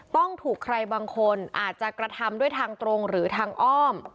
ต้องถูกใครบางคนอาจจะกระทำด้วยทางตรงหรือทางอ้อม